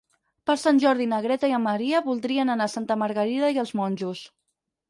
Per Sant Jordi na Greta i en Maria voldrien anar a Santa Margarida i els Monjos.